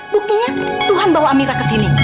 buktinya tuhan bawa amira ke sini